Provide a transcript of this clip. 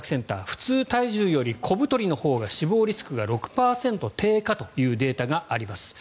普通体重より小太りのほうが死亡リスクが６％低下というデータがあります。